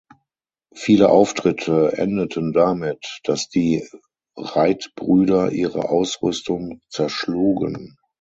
Viele Auftritte endeten damit, dass die Reid-Brüder ihre Ausrüstung zerschlugen.